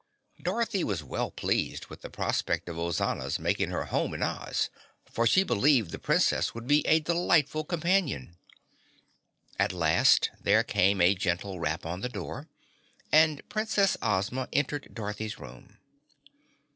Dorothy was well pleased with the prospect of Ozana's making her home in Oz, for she believed the Princess would be a delightful companion. At last there came a gentle rap on the door, and Princess Ozma entered Dorothy's room.